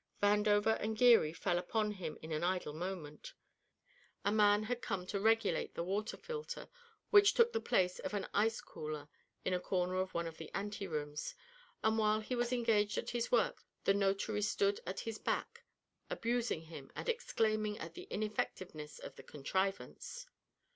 Vandover and Geary fell upon him in an idle moment. A man had come to regulate the water filter, which took the place of an ice cooler in a corner of one of the anterooms, and while he was engaged at his work the notary stood at his back, abusing him and exclaiming at the ineffectiveness of the contrivance.